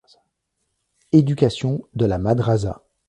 Éducation de la Madrasa.